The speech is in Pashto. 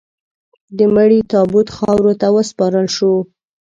د مړي تابوت خاورو ته وسپارل شو.